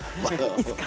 いつか？